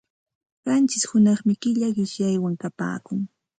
Qanchish hunaqmi killa qishyaywan kapaakun.